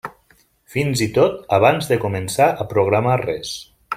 Fins i tot abans de començar a programar res.